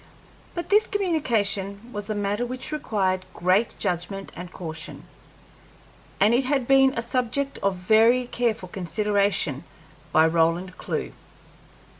But this communication was a matter which required great judgment and caution, and it had been a subject of very careful consideration by Roland Clewe.